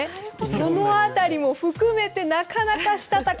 その辺りも含めてなかなか、したたか。